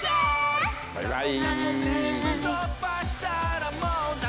バイバイ。